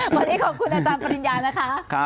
วันนี้ขอบคุณอาจารย์ปริญญานะคะ